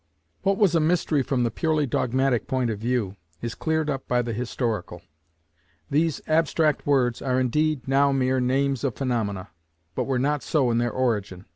What was a mystery from the purely dogmatic point of view, is cleared up by the historical. These abstract words are indeed now mere names of phaenomena, but were not so in their origin.